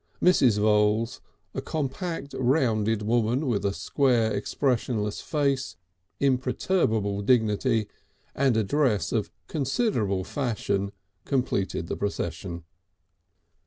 Mrs. Voules, a compact, rounded woman with a square, expressionless face, imperturbable dignity, and a dress of considerable fashion, completed the procession.